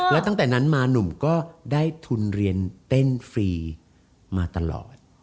แล้วตั้งแต่นั้นมาหนุ่มก็ได้ทุนเรียนเต้นฟรีมาตลอด